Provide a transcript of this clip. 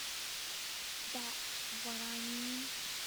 That's what I mean.